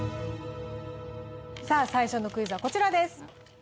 最初のクイズはこちらです。